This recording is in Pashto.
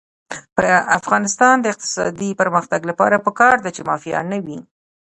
د افغانستان د اقتصادي پرمختګ لپاره پکار ده چې مافیا نه وي.